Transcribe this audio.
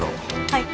はい。